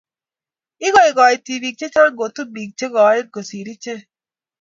Ikaikai tibik chechang' kotun biik che koen kosir ichek